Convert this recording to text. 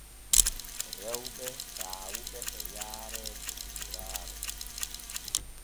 Rewɓe saawuɓe e yaare lokotoraare.